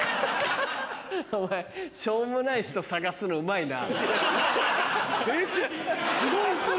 お前しょうもない人探すのうまいな。